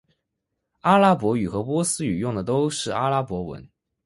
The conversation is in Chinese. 阿拉伯语和波斯语用的都是阿拉伯文。